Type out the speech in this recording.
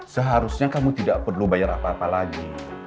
seharusnya kamu tidak perlu bayar apa apa lagi